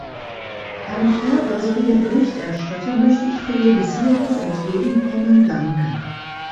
Herrn Ferber sowie dem Berichterstatter möchte ich für ihr bisheriges Entgegenkommen danken.